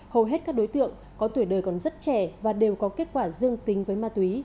hầu hết các đối tượng có tuổi đời còn rất trẻ và đều có kết quả dương tính với ma túy